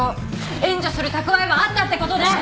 援助する蓄えはあったって事ですね！